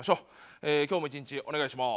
え今日も一日お願いします。